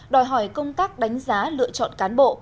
đòi hỏi công tác đánh giá lựa chọn cán bộ